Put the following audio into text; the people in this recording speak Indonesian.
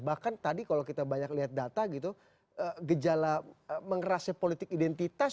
bahkan tadi kalau kita banyak lihat data gitu gejala mengerasnya politik identitas